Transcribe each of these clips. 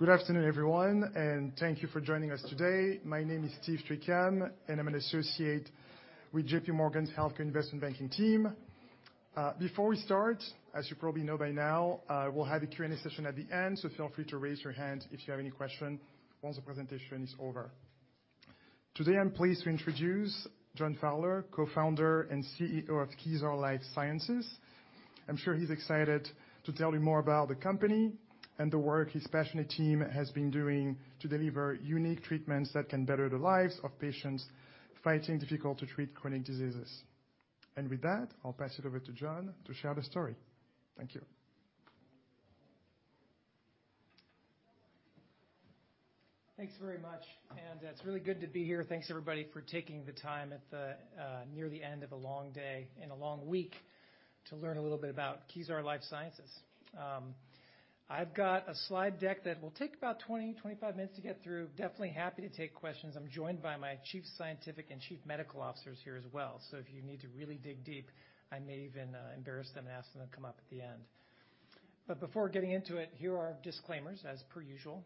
Good afternoon, everyone, and thank you for joining us today. My name is Steve Trecartin, and I'm an associate with JPMorgan Healthcare Investment Banking team. Before we start, as you probably know by now, we'll have a Q&A session at the end. Feel free to raise your hand if you have any question once the presentation is over. Today, I'm pleased to introduce John Fowler, Co-founder and CEO of Kezar Life Sciences. I'm sure he's excited to tell you more about the company and the work his passionate team has been doing to deliver unique treatments that can better the lives of patients fighting difficult to treat chronic diseases. With that, I'll pass it over to John to share the story. Thank you. Thanks very much. It's really good to be here. Thanks, everybody, for taking the time at the near the end of a long day and a long week to learn a little bit about Kezar Life Sciences. I've got a slide deck that will take about 20-25 minutes to get through. Definitely happy to take questions. I'm joined by my chief scientific and chief medical officers here as well. If you need to really dig deep, I may even embarrass them and ask them to come up at the end. Before getting into it, here are disclaimers as per usual.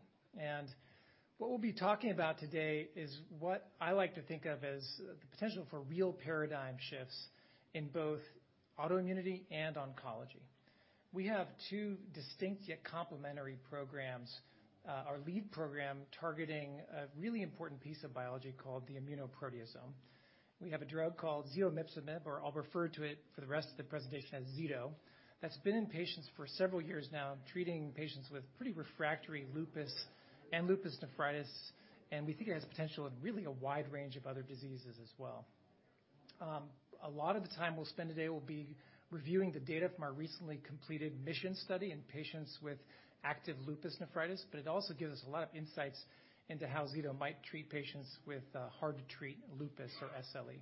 What we'll be talking about today is what I like to think of as the potential for real paradigm shifts in both autoimmunity and oncology. We have two distinct yet complementary programs. Our lead program targeting a really important piece of biology called the immunoproteasome. We have a drug called zetomipsemib, or I'll refer to it for the rest of the presentation as Zeto, that's been in patients for several years now, treating patients with pretty refractory lupus and lupus nephritis, and we think it has potential in really a wide range of other diseases as well. A lot of the time we'll spend today will be reviewing the data from our recently completed MISSION study in patients with active lupus nephritis, but it also gives us a lot of insights into how Zeto might treat patients with hard to treat lupus or SLE.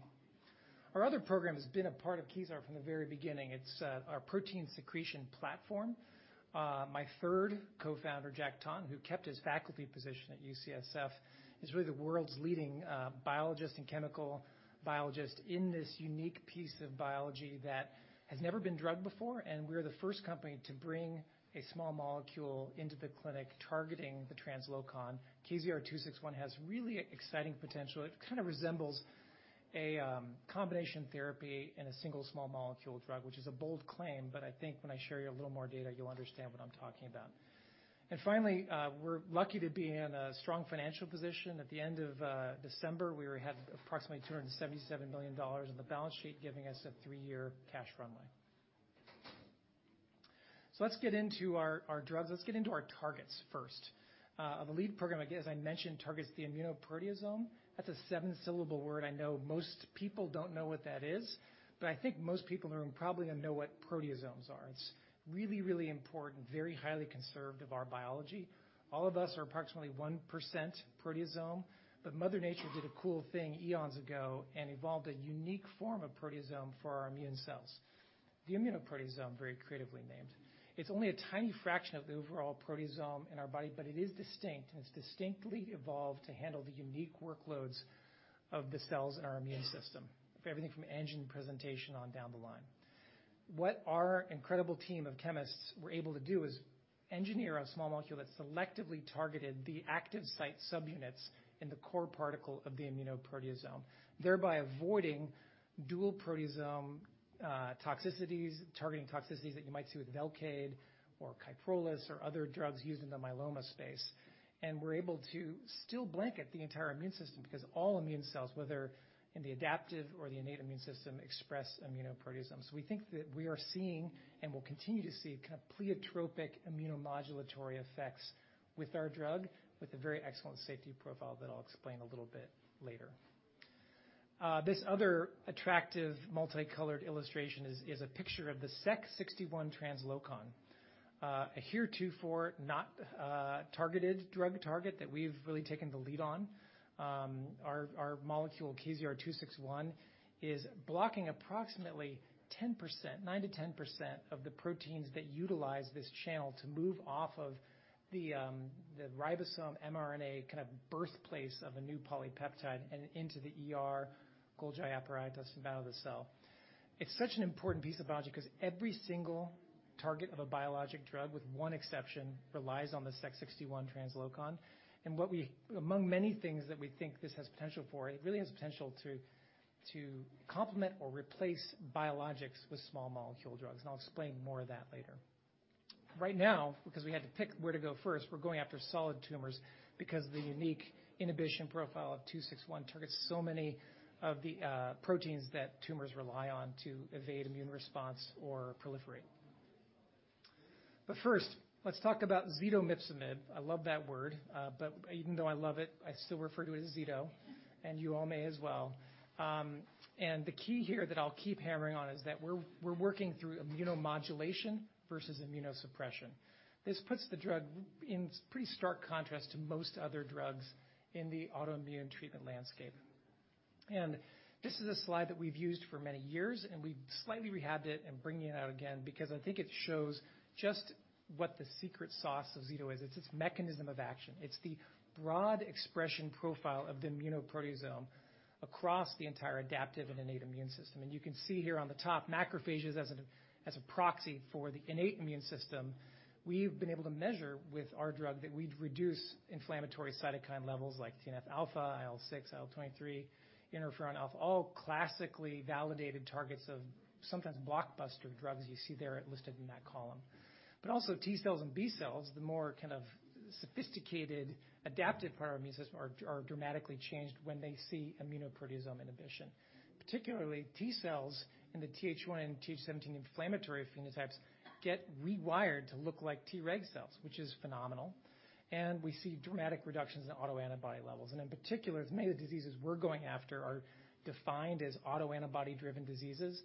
Our other program has been a part of Kezar from the very beginning. It's our protein secretion platform. My third Co-Founder, Jack Taunton, who kept his faculty position at UCSF, is really the world's leading biologist and chemical biologist in this unique piece of biology that has never been drugged before. We're the first company to bring a small molecule into the clinic targeting the translocon. KZR-261 has really exciting potential. It kind of resembles a combination therapy in a single small molecule drug, which is a bold claim. I think when I share you a little more data, you'll understand what I'm talking about. Finally, we're lucky to be in a strong financial position. At the end of December, we had approximately $277 million in the balance sheet, giving us a three-year cash runway. Let's get into our drugs. Let's get into our targets first. The lead program, again, as I mentioned, targets the immunoproteasome. That's a seven-syllable word. I know most people don't know what that is, but I think most people in the room probably know what proteasomes are. It's really, really important, very highly conserved of our biology. All of us are approximately 1% proteasome, but Mother Nature did a cool thing eons ago and evolved a unique form of proteasome for our immune cells. The immunoproteasome, very creatively named. It's only a tiny fraction of the overall proteasome in our body, but it is distinct, and it's distinctly evolved to handle the unique workloads of the cells in our immune system, for everything from antigen presentation on down the line. What our incredible team of chemists were able to do is engineer a small molecule that selectively targeted the active site subunits in the core particle of the immunoproteasome, thereby avoiding dual proteasome toxicities, targeting toxicities that you might see with Velcade or Kyprolis or other drugs used in the myeloma space. We're able to still blanket the entire immune system because all immune cells, whether in the adaptive or the innate immune system, express immunoproteasomes. We think that we are seeing and will continue to see kind of pleiotropic immunomodulatory effects with our drug with a very excellent safety profile that I'll explain a little bit later. This other attractive multicolored illustration is a picture of the Sec61 translocon, heretofore not targeted drug target that we've really taken the lead on. Our molecule KZR-261 is blocking approximately 10%, 9%-10% of the proteins that utilize this channel to move off of the ribosome mRNA kind of birthplace of a new polypeptide and into the ER-Golgi apparatus and out of the cell. It's such an important piece of biology 'cause every single target of a biologic drug, with one exception, relies on the Sec61 translocon. Among many things that we think this has potential for, it really has potential to complement or replace biologics with small molecule drugs. I'll explain more of that later. Right now, because we had to pick where to go first, we're going after solid tumors because the unique inhibition profile of 261 targets so many of the proteins that tumors rely on to evade immune response or proliferate. First, let's talk about zetomipsemib. I love that word, but even though I love it, I still refer to it as Zeto, and you all may as well. The key here that I'll keep hammering on is that we're working through immunomodulation versus immunosuppression. This puts the drug in pretty stark contrast to most other drugs in the autoimmune treatment landscape. This is a slide that we've used for many years, and we've slightly rehabbed it and bringing it out again because I think it shows just what the secret sauce of Zeto is. It's its mechanism of action. It's the broad expression profile of the immunoproteasome across the entire adaptive and innate immune system. You can see here on the top macrophages as a proxy for the innate immune system. We've been able to measure with our drug that we'd reduce inflammatory cytokine levels like TNF-α, IL-6, IL-23, Interferon alpha, all classically validated targets of sometimes blockbuster drugs you see there listed in that column. Also T cells and B cells, the more kind of sophisticated adaptive part of our immune system are dramatically changed when they see immunoproteasome inhibition. Particularly T cells in the TH1 and TH17 inflammatory phenotypes get rewired to look like Treg cells, which is phenomenal. We see dramatic reductions in autoantibody levels. In particular, many of the diseases we're going after are defined as autoantibody-driven diseases.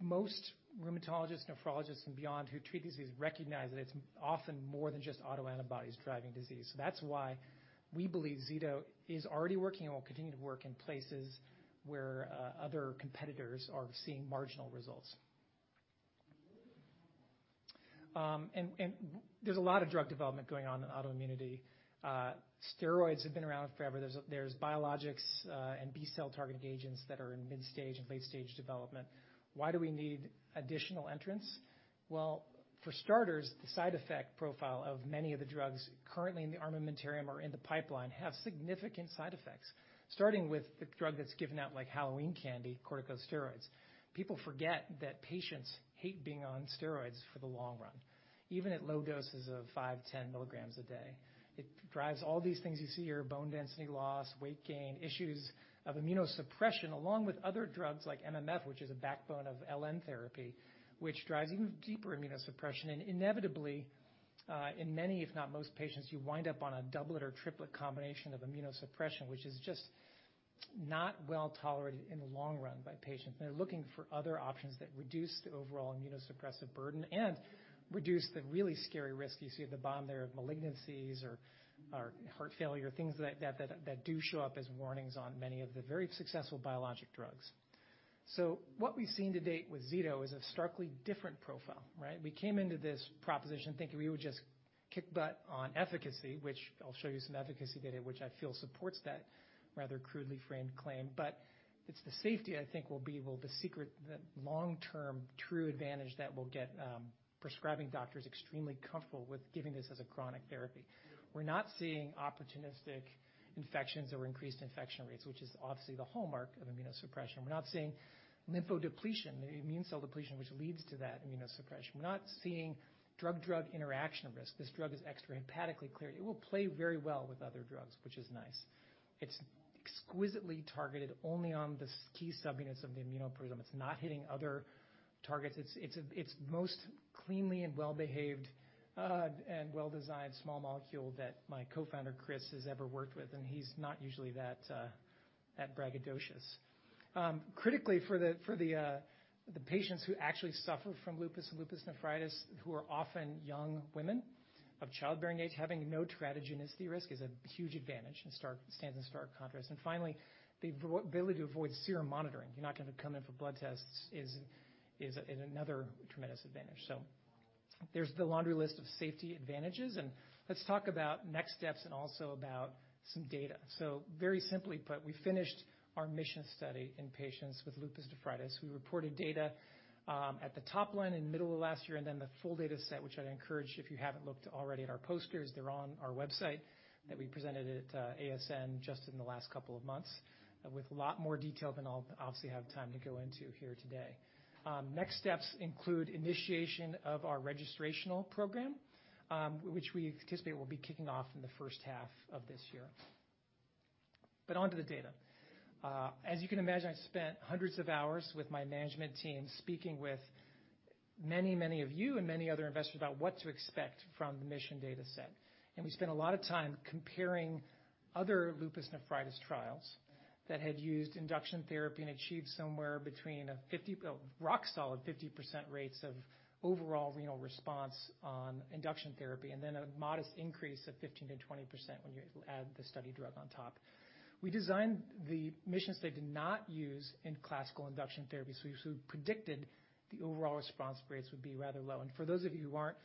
Most rheumatologists, nephrologists, and beyond who treat disease recognize that it's often more than just autoantibodies driving disease. That's why we believe Zeto is already working and will continue to work in places where other competitors are seeing marginal results. There's a lot of drug development going on in autoimmunity. Steroids have been around forever. There's biologics and B-cell targeting agents that are in mid-stage and late-stage development. Why do we need additional entrants? Well, for starters, the side effect profile of many of the drugs currently in the armamentarium or in the pipeline have significant side effects, starting with the drug that's given out like Halloween candy, corticosteroids. People forget that patients hate being on steroids for the long run, even at low doses of 5, 10 milligrams a day. It drives all these things you see here, bone density loss, weight gain, issues of immunosuppression, along with other drugs like MMF, which is a backbone of LN therapy, which drives even deeper immunosuppression. Inevitably, in many, if not most patients, you wind up on a doublet or triplet combination of immunosuppression, which is just not well tolerated in the long run by patients. They're looking for other options that reduce the overall immunosuppressive burden and reduce the really scary risk you see at the bottom there of malignancies or heart failure, things that do show up as warnings on many of the very successful biologic drugs. What we've seen to date with Zeto is a starkly different profile, right? We came into this proposition thinking we would just kick butt on efficacy, which I'll show you some efficacy data, which I feel supports that rather crudely framed claim. It's the safety I think will be well the secret, the long-term true advantage that will get prescribing doctors extremely comfortable with giving this as a chronic therapy. We're not seeing opportunistic infections or increased infection rates, which is obviously the hallmark of immunosuppression. We're not seeing lymphodepletion, the immune cell depletion, which leads to that immunosuppression. We're not seeing drug-drug interaction risk. This drug is extrahepatically cleared. It will play very well with other drugs, which is nice. It's exquisitely targeted only on the key subunits of the immunoproteasome. It's not hitting other targets. It's most cleanly and well-behaved and well-designed small molecule that my co-founder, Chris, has ever worked with, and he's not usually that that braggadocious. Critically for the, for the patients who actually suffer from lupus nephritis, who are often young women of childbearing age, having no teratogenicity risk is a huge advantage and stands in stark contrast. Finally, the ability to avoid serum monitoring, you're not gonna come in for blood tests, is another tremendous advantage. There's the laundry list of safety advantages, and let's talk about next steps and also about some data. Very simply put, we finished our MISSION study in patients with lupus nephritis. We reported data at the top line in middle of last year and then the full data set, which I'd encourage if you haven't looked already at our posters, they're on our website, that we presented at ASN just in the last couple of months with a lot more detail than I'll obviously have time to go into here today. Next steps include initiation of our registrational program, which we anticipate will be kicking off in the first half of this year. Onto the data. As you can imagine, I've spent hundreds of hours with my management team speaking with many, many of you and many other investors about what to expect from the Mission data set. We spent a lot of time comparing other lupus nephritis trials that had used induction therapy and achieved somewhere between a rock-solid 50% rates of overall renal response on induction therapy, and then a modest increase of 15%-20% when you add the study drug on top. We designed the MISSION study to not use in classical induction therapy, so we predicted the overall response rates would be rather low. For those of you who aren't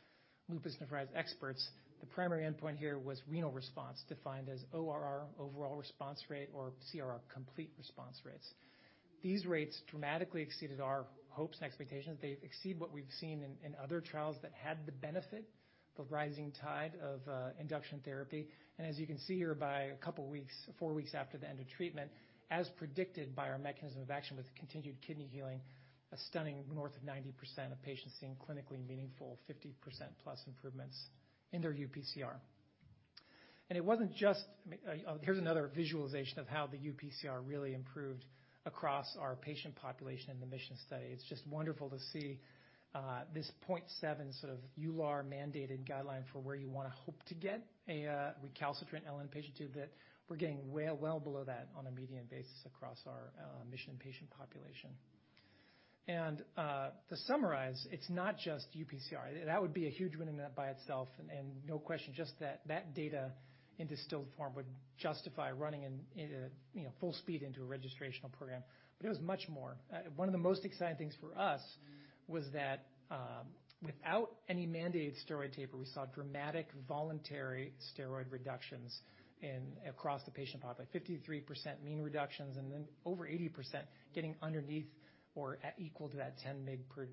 lupus nephritis experts, the primary endpoint here was renal response defined as ORR, overall response rate, or CRR, complete response rates. These rates dramatically exceeded our hopes and expectations. They exceed what we've seen in other trials that had the benefit, the rising tide of induction therapy. As you can see here by a couple weeks, four weeks after the end of treatment, as predicted by our mechanism of action with continued kidney healing, a stunning north of 90% of patients seeing clinically meaningful 50%-plus improvements in their UPCR. It wasn't just. Here's another visualization of how the UPCR really improved across our patient population in the MISSION study. It's just wonderful to see this 0.7 sort of EULAR-mandated guideline for where you wanna hope to get a recalcitrant LN patient to that we're getting way well below that on a median basis across our MISSION patient population. To summarize, it's not just UPCR. That would be a huge win in that by itself, and no question just that data in distilled form would justify running in a, you know, full speed into a registrational program. It was much more. One of the most exciting things for us was that, without any mandated steroid taper, we saw dramatic voluntary steroid reductions across the patient population. 53% mean reductions, and then over 80% getting underneath or at equal to that 10 mg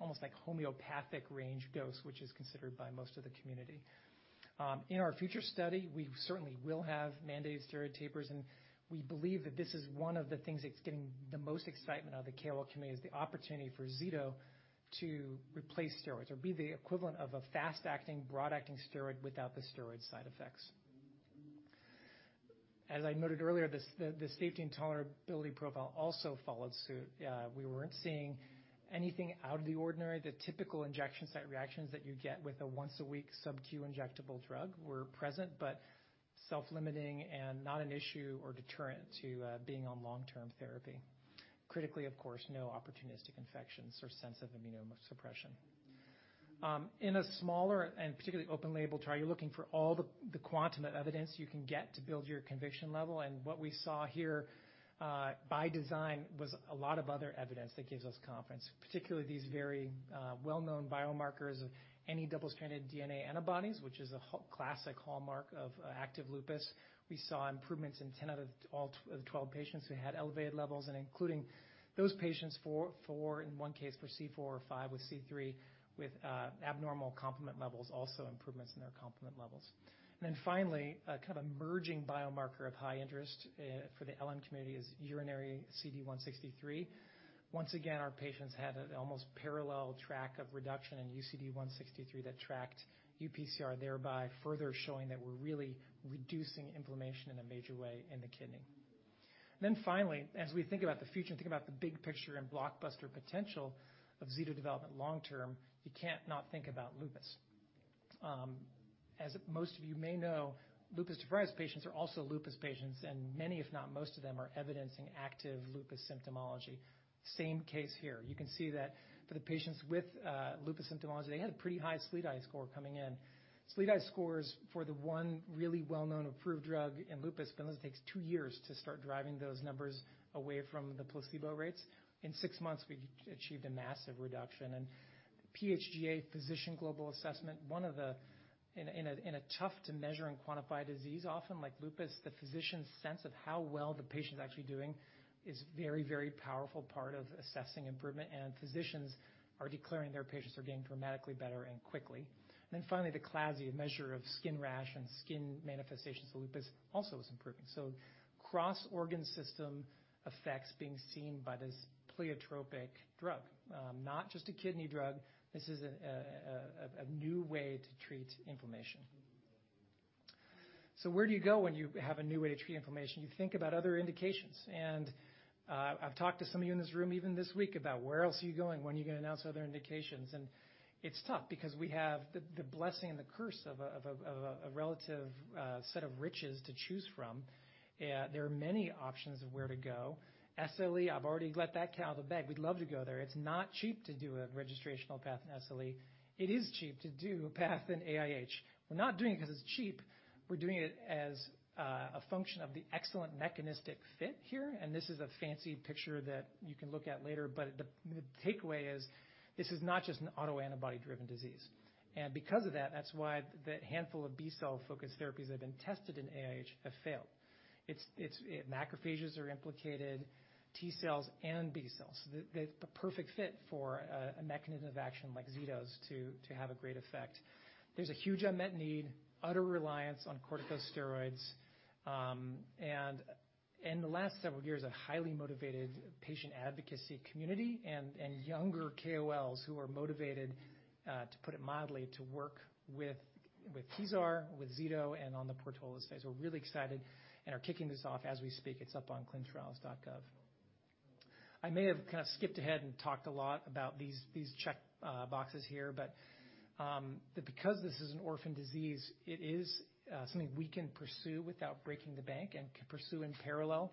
almost like homeopathic range dose, which is considered by most of the community. In our future study, we certainly will have mandated steroid tapers, and we believe that this is one of the things that's getting the most excitement out of the KOL community, is the opportunity forZeto to replace steroids or be the equivalent of a fast-acting, broad-acting steroid without the steroid side effects. As I noted earlier, the safety and tolerability profile also followed suit. We weren't seeing anything out of the ordinary. The typical injection site reactions that you get with a once a week subq injectable drug were present, but self-limiting and not an issue or deterrent to being on long-term therapy. Critically, of course, no opportunistic infections or sense of immunosuppression. In a smaller and particularly open label trial, you're looking for all the quantum of evidence you can get to build your conviction level. What we saw here, by design, was a lot of other evidence that gives us confidence, particularly these very well-known biomarkers of double-stranded DNA antibodies, which is a classic hallmark of active lupus. We saw improvements in 10 out of all the 12 patients who had elevated levels, including those patients, four in one case were C4 or five with C3 with abnormal complement levels, also improvements in their complement levels. Finally, a kind of emerging biomarker of high interest for the LN community is urinary CD163. Once again, our patients had an almost parallel track of reduction in UCD163 that tracked uPCR, thereby further showing that we're really reducing inflammation in a major way in the kidney. Finally, as we think about the future and think about the big picture and blockbuster potential of Zeto development long term, you can't not think about lupus. As most of you may know, lupus nephritis patients are also lupus patients, and many, if not most of them, are evidencing active lupus symptomology. Same case here. You can see that for the patients with lupus symptomology, they had a pretty high SLEDAI score coming in. SLEDAI scores for the one really well-known approved drug in lupus, Benlysta takes two years to start driving those numbers away from the placebo rates. In six months, we achieved a massive reduction. PHGA, Physician Global Assessment, in a tough to measure and quantify disease, often like lupus, the physician's sense of how well the patient's actually doing is very powerful part of assessing improvement. Physicians are declaring their patients are getting dramatically better and quickly. Finally, the CLASI, a measure of skin rash and skin manifestations of lupus also is improving. Cross-organ system effects being seen by this pleiotropic drug. Not just a kidney drug. This is a new way to treat inflammation. Where do you go when you have a new way to treat inflammation? You think about other indications. I've talked to some of you in this room even this week about where else are you going? When are you gonna announce other indications? It's tough because we have the blessing and the curse of a relative set of riches to choose from. There are many options of where to go. SLE, I've already let that cat out of the bag. We'd love to go there. It's not cheap to do a registrational path in SLE. It is cheap to do a path in AIH. We're not doing it because it's cheap. We're doing it as a function of the excellent mechanistic fit here, and this is a fancy picture that you can look at later. The takeaway is this is not just an autoantibody-driven disease. Because of that's why the handful of B cell-focused therapies that have been tested in AIH have failed. It's, macrophages are implicated, T cells and B cells. The perfect fit for a mechanism of action like Zeto's to have a great effect. There's a huge unmet need, utter reliance on corticosteroids, and in the last several years, a highly motivated patient advocacy community and younger KOLs who are motivated to put it mildly, to work with Kezar, with Zeto and on the PORTOLA space. We're really excited and are kicking this off as we speak. It's up on ClinicalTrials.gov. I may have kind of skipped ahead and talked a lot about these check boxes here, but because this is an orphan disease, it is something we can pursue without breaking the bank and can pursue in parallel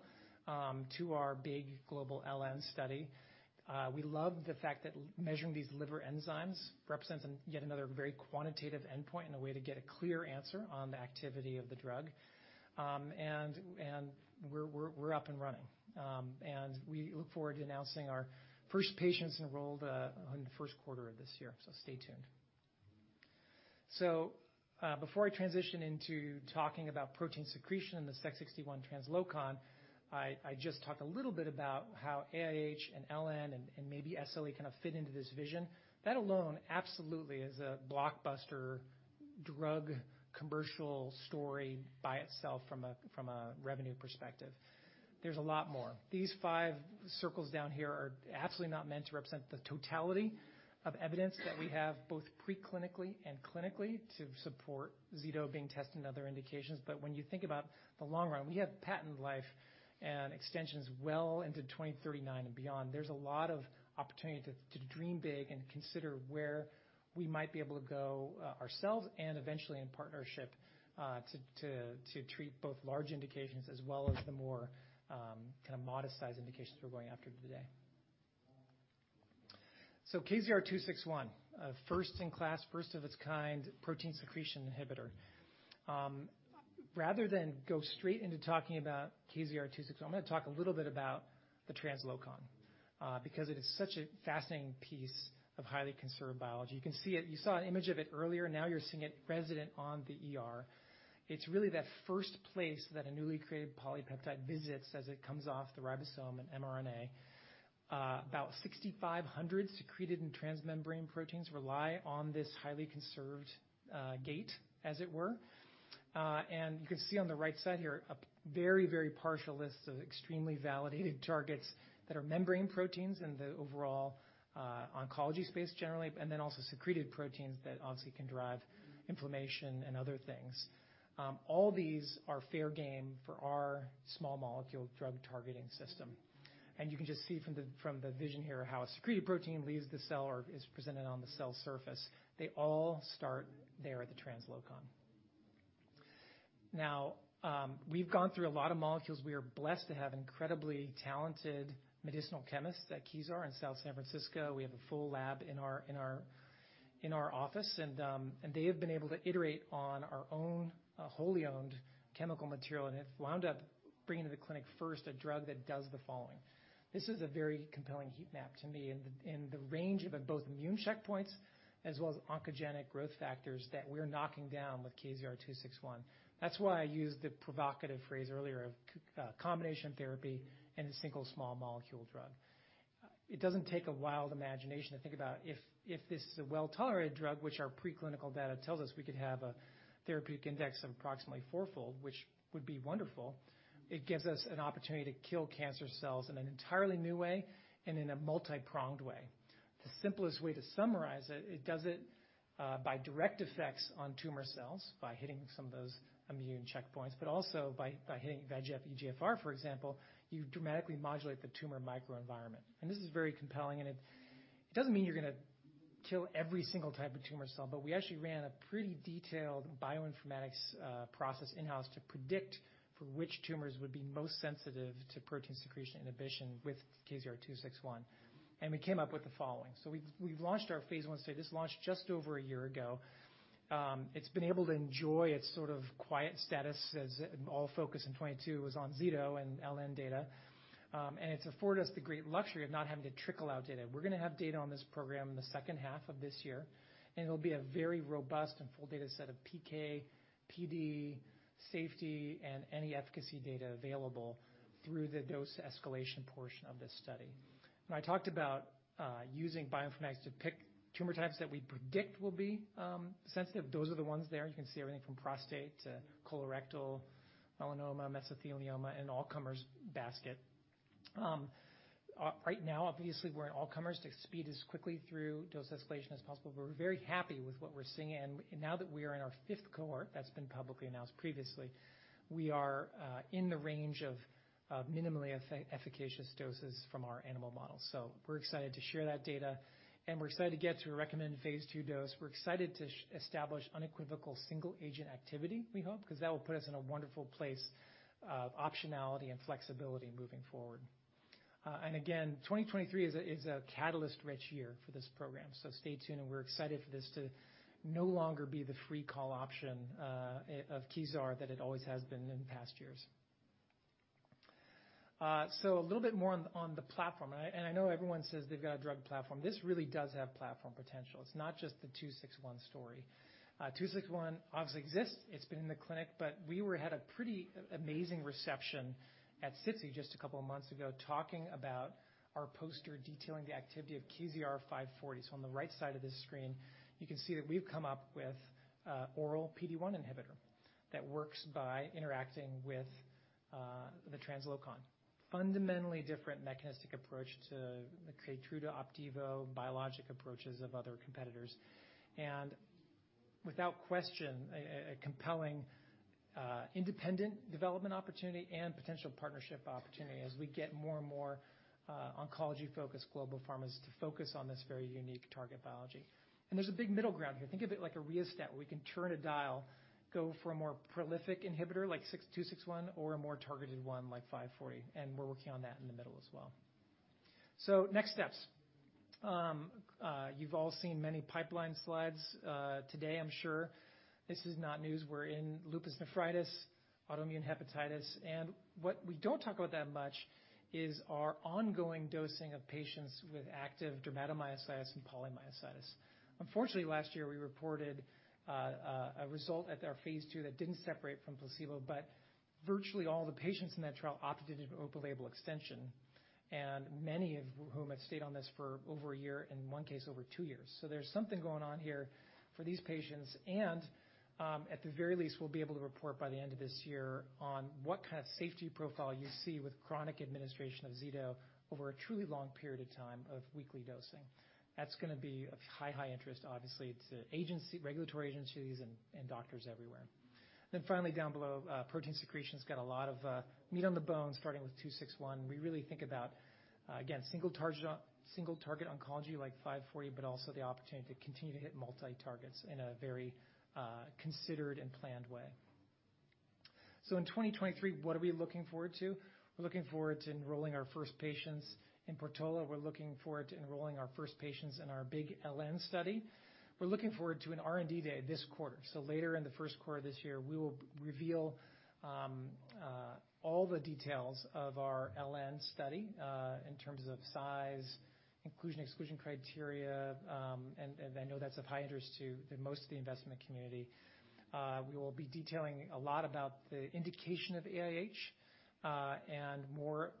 to our big global LN study. We love the fact that measuring these liver enzymes represents an yet another very quantitative endpoint and a way to get a clear answer on the activity of the drug. And we're up and running. And we look forward to announcing our first patients enrolled in the first quarter of this year. Stay tuned. Before I transition into talking about protein secretion and the Sec61 translocon, I just talk a little bit about how AIH and LN and maybe SLE kind of fit into this vision. That alone absolutely is a blockbuster drug commercial story by itself from a, from a revenue perspective. There's a lot more. These 5 circles down here are absolutely not meant to represent the totality of evidence that we have both pre-clinically and clinically to support Zeto being tested in other indications. When you think about the long run, we have patent life and extensions well into 2039 and beyond. There's a lot of opportunity to dream big and consider where we might be able to go ourselves and eventually in partnership to treat both large indications as well as the more kind of modest size indications we're going after today. KZR-261, a first-in-class, first-of-its-kind protein secretion inhibitor. Rather than go straight into talking about KZR-261, I'm gonna talk a little bit about the translocon because it is such a fascinating piece of highly conserved biology. You can see it. You saw an image of it earlier. Now you're seeing it resident on the ER. It's really that first place that a newly created polypeptide visits as it comes off the ribosome and mRNA. About 6,500 secreted and transmembrane proteins rely on this highly conserved gate, as it were. And you can see on the right side here a very, very partial list of extremely validated targets that are membrane proteins in the overall oncology space generally, and then also secreted proteins that obviously can drive inflammation and other things. All these are fair game for our small molecule drug targeting system. You can just see from the, from the vision here how a secreted protein leaves the cell or is presented on the cell surface. They all start there at the translocon. Now, we've gone through a lot of molecules. We are blessed to have incredibly talented medicinal chemists at Kezar in South San Francisco. We have a full lab in our office, and they have been able to iterate on our own wholly owned chemical material, and they've wound up bringing to the clinic first a drug that does the following. This is a very compelling heat map to me in the range of both immune checkpoints as well as oncogenic growth factors that we're knocking down with KZR-261. That's why I used the provocative phrase earlier of combination therapy and a single small molecule drug. It doesn't take a wild imagination to think about if this is a well-tolerated drug, which our preclinical data tells us we could have a therapeutic index of approximately four-fold, which would be wonderful, it gives us an opportunity to kill cancer cells in an entirely new way and in a multi-pronged way. The simplest way to summarize it does it by direct effects on tumor cells by hitting some of those immune checkpoints, also by hitting VEGF EGFR, for example, you dramatically modulate the tumor microenvironment. This is very compelling, and it doesn't mean you're gonna kill every single type of tumor cell, but we actually ran a pretty detailed bioinformatics process in-house to predict for which tumors would be most sensitive to protein secretion inhibition with KZR-261. We came up with the following. We've launched our Phase 1 study. This launched just over a year ago. It's been able to enjoy its sort of quiet status as all focus in 2022 was on Zeto and LN data. And it's afforded us the great luxury of not having to trickle out data. We're gonna have data on this program in the second half of this year, and it'll be a very robust and full data set of PK, PD, safety, and any efficacy data available through the dose escalation portion of this study. When I talked about using bioinformatics to pick tumor types that we predict will be sensitive, those are the ones there. You can see everything from prostate to colorectal, melanoma, mesothelioma, and all comers basket. Right now, obviously, we're an all comers to speed as quickly through dose escalation as possible. We're very happy with what we're seeing. Now that we are in our fifth cohort, that's been publicly announced previously, we are in the range of minimally efficacious doses from our animal models. We're excited to share that data, and we're excited to get to a recommended Phase 2 dose. We're excited to establish unequivocal single agent activity, we hope, 'cause that will put us in a wonderful place of optionality and flexibility moving forward. Again, 2023 is a catalyst-rich year for this program. Stay tuned, and we're excited for this to no longer be the free call option of Kezar that it always has been in past years. A little bit more on the platform. I know everyone says they've got a drug platform. This really does have platform potential. It's not just the 261 story. 261 obviously exists. It's been in the clinic, but we were had a pretty a-amazing reception at SITC just a couple of months ago talking about our poster detailing the activity of KZR-540. On the right side of this screen, you can see that we've come up with a oral PD-1 inhibitor that works by interacting with the translocon. Fundamentally different mechanistic approach to the Keytruda, Opdivo biologic approaches of other competitors, and without question a compelling independent development opportunity and potential partnership opportunity as we get more and more oncology-focused global pharmas to focus on this very unique target biology. There's a big middle ground here. Think of it like a rheostat where we can turn a dial, go for a more prolific inhibitor like KZR-261 or a more targeted one like KZR-540, and we're working on that in the middle as well. Next steps. You've all seen many pipeline slides today, I'm sure. This is not news. We're in lupus nephritis, autoimmune hepatitis, and what we don't talk about that much is our ongoing dosing of patients with active dermatomyositis and polymyositis. Unfortunately, last year, we reported a result at our phase 2 that didn't separate from placebo, but virtually all the patients in that trial opted to do an open label extension, and many of whom have stayed on this for over a year, in one case, over two years. There's something going on here for these patients, and at the very least, we'll be able to report by the end of this year on what kind of safety profile you see with chronic administration of Zeto over a truly long period of time of weekly dosing. That's going to be of high interest, obviously, to agency, regulatory agencies and doctors everywhere. Finally, down below, protein secretion's got a lot of meat on the bone, starting with KZR-261. We really think about again, single target oncology like KZR-540 but also the opportunity to continue to hit multi targets in a very considered and planned way. In 2023, what are we looking forward to? We're looking forward to enrolling our first patients in PORTOLA. We're looking forward to enrolling our first patients in our big LN study. We're looking forward to an R&D day this quarter. Later in the first quarter this year, we will reveal all the details of our LN study, in terms of size, inclusion, exclusion criteria, and I know that's of high interest to most of the investment community. We will be detailing a lot about the indication of AIH, and more,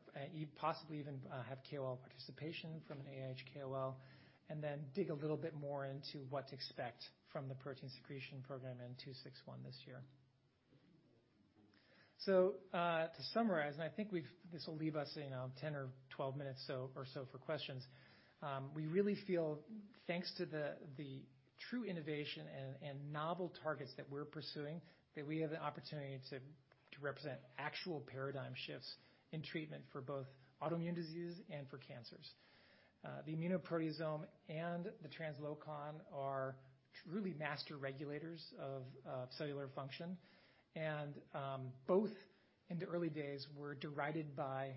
possibly even, have KOL participation from an AIH KOL, and then dig a little bit more into what to expect from the protein secretion program in 261 this year. To summarize, and I think this will leave us, you know, 10 or 12 minutes so, or so for questions. We really feel, thanks to the true innovation and novel targets that we're pursuing, that we have the opportunity to represent actual paradigm shifts in treatment for both autoimmune diseases and for cancers. The immunoproteasome and the translocon are truly master regulators of cellular function. Both in the early days were derided by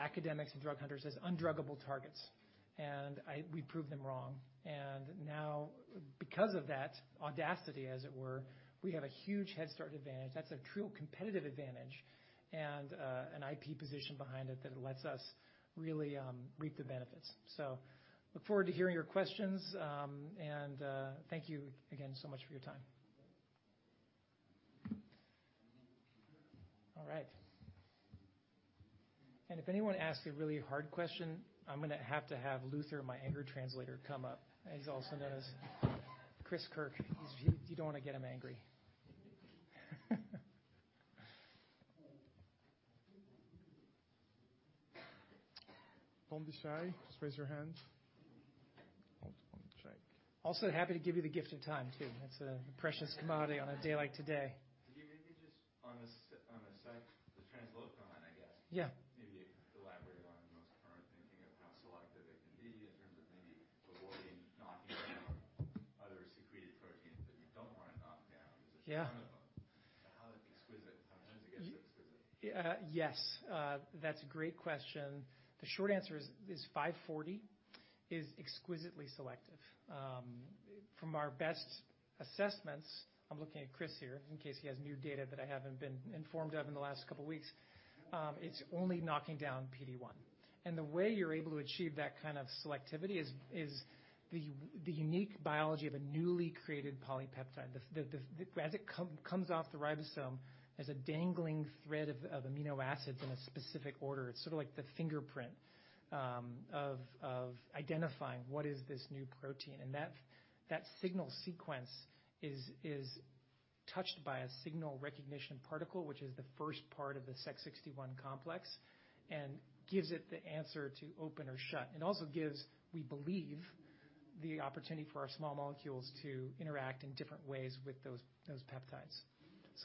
academics and drug hunters as undruggable targets. We proved them wrong. Now because of that audacity, as it were, we have a huge head start advantage. That's a true competitive advantage and an IP position behind it that lets us really reap the benefits. Look forward to hearing your questions, and thank you again so much for your time. All right. If anyone asks a really hard question, I'm gonna have to have Luther, my anger translator, come up. He's also known as Chris Kirk. You, you don't wanna get him angry. Don't be shy. Just raise your hand. Happy to give you the gift of time too. It's a precious commodity on a day like today. Can you maybe just on the translocon, I guess? Yeah. Maybe elaborate on the most current thinking of how selective it can be in terms of maybe avoiding knocking down other secreted proteins that you don't wanna knock down. Yeah. There's a ton of them. How exquisite. How does it get so exquisite? Yes. That's a great question. The short answer is 540 is exquisitely selective. From our best assessments, I'm looking at Chris here in case he has new data that I haven't been informed of in the last couple weeks. It's only knocking down PD-1. The way you're able to achieve that kind of selectivity is the unique biology of a newly created polypeptide. As it comes off the ribosome as a dangling thread of amino acids in a specific order. It's sort of like the fingerprint of identifying what is this new protein. That signal sequence is touched by a signal recognition particle, which is the first part of the Sec61 complex, and gives it the answer to open or shut. It also gives, we believe, the opportunity for our small molecules to interact in different ways with those peptides.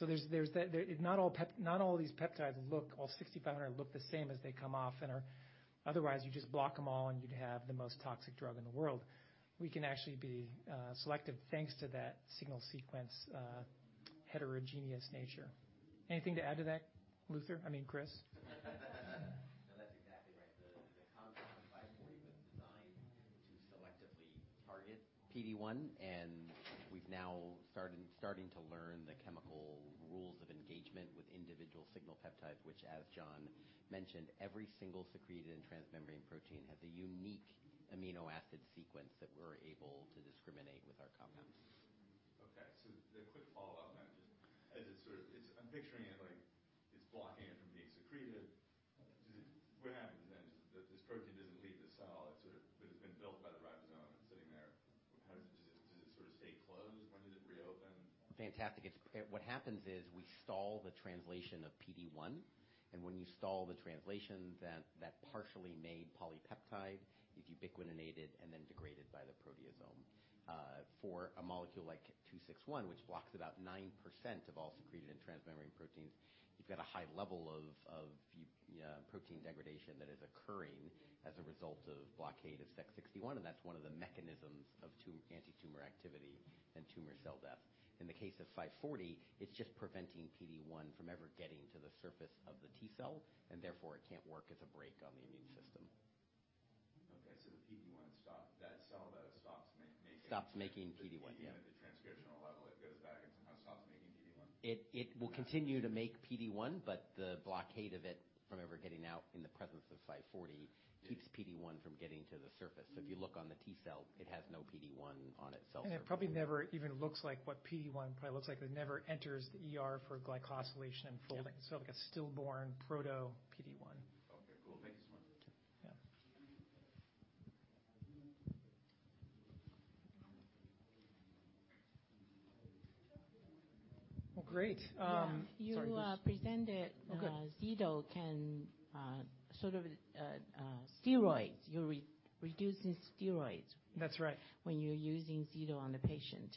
There's not all of these peptides look all 6,500 look the same as they come off and are. Otherwise, you just block them all, and you'd have the most toxic drug in the world. We can actually be selective thanks to that signal sequence heterogeneous nature. Anything to add to that, Luther? I mean, Chris. No, that's exactly right. The compound Five Forty was designed to selectively target PD-1, and we've now starting to learn the chemical rules of engagement with individual signal peptides, which, as John mentioned, every single secreted and transmembrane protein has a unique amino acid sequence that we're able to discriminate with our compounds. The quick follow-up on that, just as I'm picturing it like it's blocking it from being secreted. What happens then? This protein doesn't leave the cell. But it's been built by the ribosome and sitting there. How does it sort of stay closed? When does it reopen? Fantastic. What happens is we stall the translation of PD-1, when you stall the translation, that partially made polypeptide is ubiquitinated and then degraded by the proteasome. For a molecule like KZR-261, which blocks about 9% of all secreted and transmembrane proteins, you've got a high level of protein degradation that is occurring as a result of blockade of Sec61, that's one of the mechanisms of antitumor activity and tumor cell death. In the case of KZR-540, it's just preventing PD-1 from ever getting to the surface of the T cell, therefore it can't work as a brake on the immune system. Okay. The PD-1 stop... That cell though, stops... Stops making PD-1. Yeah. Even at the transcriptional level, it goes back and somehow stops making PD-1. It will continue to make PD-1, the blockade of it from ever getting out in the presence of five forty keeps PD-1 from getting to the surface. If you look on the T cell, it has no PD-1 on its cell surface. It probably never even looks like what PD-1 probably looks like. It never enters the ER for glycosylation and folding. Yeah. like a stillborn proto PD-1. Okay, cool. Thank you so much. Yeah. Well, great. Yeah. You, Sorry. presented- Okay. Zeto can, sort of, steroids. You're re-reducing steroids. That's right. ...when you're using Zeto on the patient.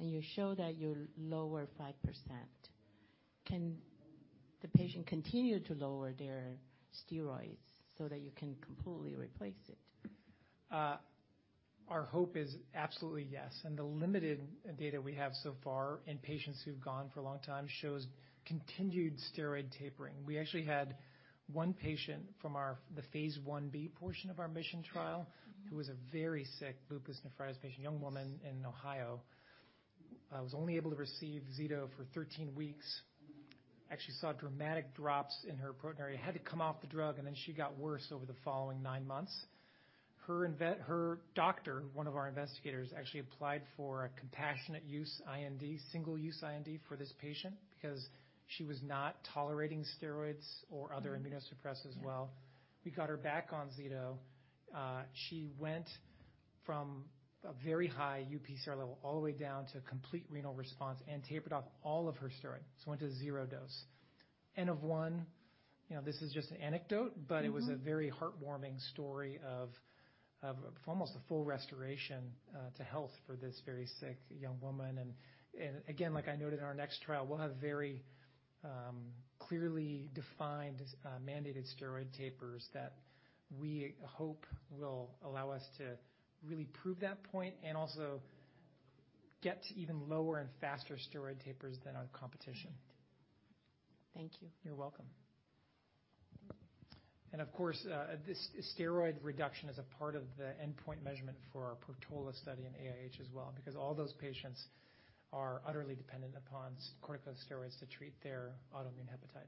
You show that you lower 5%. Can the patient continue to lower their steroids so that you can completely replace it? Our hope is absolutely yes. The limited data we have so far in patients who've gone for a long time shows continued steroid tapering. We actually had one patient from the phase 1B portion of our MISSION trial. Mm-hmm ...who was a very sick lupus nephritis patient, young woman in Ohio, was only able to receive Zeto for 13 weeks. Actually saw dramatic drops in her protein. Had to come off the drug. Then she got worse over the following nine months. Her doctor, one of our investigators, actually applied for a compassionate use IND, single-use IND for this patient because she was not tolerating steroids or other immunosuppressants well. We got her back on Zeto. She went from a very high UPCR level all the way down to complete renal response and tapered off all of her steroids. Went to zero dose. N of one, you know, this is just an anecdote. Mm-hmm ...it was a very heartwarming story of almost a full restoration to health for this very sick young woman. Again, like I noted in our next trial, we'll have very, clearly defined, mandated steroid tapers that we hope will allow us to really prove that point and also get to even lower and faster steroid tapers than our competition. Thank you. You're welcome. Of course, this steroid reduction is a part of the endpoint measurement for our PORTOLA study in AIH as well, because all those patients are utterly dependent upon corticosteroids to treat their autoimmune hepatitis.